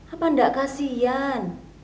apa enggak kasian